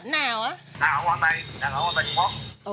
ở quảng tây đang ở quảng tây trung quốc